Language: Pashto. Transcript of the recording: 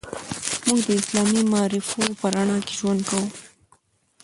موږ د اسلامي معارفو په رڼا کې ژوند کوو.